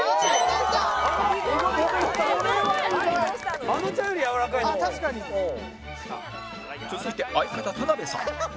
続いて相方田辺さん